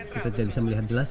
kita tidak bisa melihat jelas